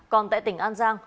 còn tại tỉnh an giang